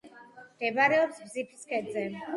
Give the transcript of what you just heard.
მდებარეობს ბზიფის ქედზე.